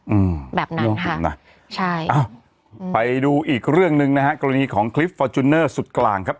อืมแบบนั้นน่ะใช่อ้าวไปดูอีกเรื่องหนึ่งนะฮะกรณีของคลิปฟอร์จูเนอร์สุดกลางครับ